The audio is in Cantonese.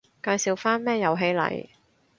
介紹返咩遊戲嚟